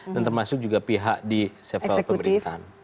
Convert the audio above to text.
dan termasuk juga pihak di seferal pemerintahan